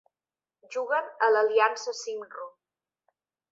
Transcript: Juguen a l'Aliança Cymru.